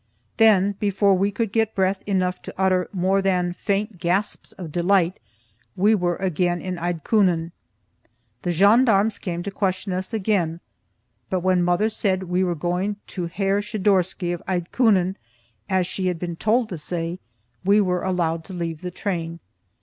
Then, before we could get breath enough to utter more than faint gasps of delight, we were again in Eidtkunen. The gendarmes came to question us again, but when mother said that we were going to Herr Schidorsky of Eidtkunen, as she had been told to say, we were allowed to leave the train.